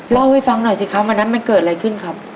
เล่าให้ฟังหน่อยสิครับวันนั้นมันเกิดอะไรขึ้นครับ